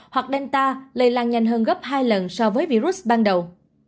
hoặc delta lây lan nhanh hơn gấp hai lần so với virus ban đầu